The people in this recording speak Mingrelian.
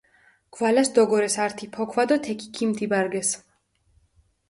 გვალას დოგორეს ართი ფოქვა დო თექი ქიმთიბარგესჷ.